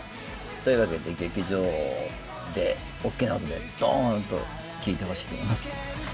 というわけで劇場で大っきな音でドンと聴いてほしいと思います。